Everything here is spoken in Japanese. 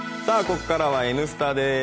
ここからは「Ｎスタ」です。